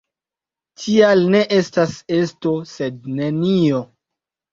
Tial ne estas esto sed nenio.